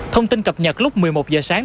thông tin cập nhật lúc một mươi một giờ sáng